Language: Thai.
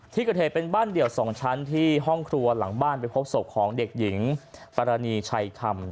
ที่เกิดเหตุเป็นบ้านเดี่ยว๒ชั้นที่ห้องครัวหลังบ้านไปพบศพของเด็กหญิงปรณีชัยคำ